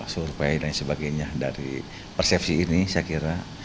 survei dan sebagainya dari persepsi ini saya kira